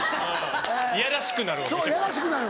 いやらしくなる。